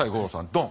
ドン！